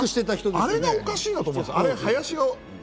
あれがおかしいと思うんです。